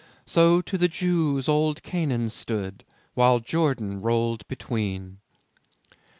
So to the Jews old Canaan stood, While Jordan rolled between."